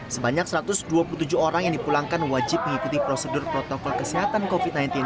sebanyak satu ratus dua puluh tujuh orang yang dipulangkan wajib mengikuti prosedur protokol kesehatan covid sembilan belas